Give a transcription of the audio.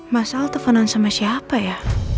mas al teponan sama siapa ya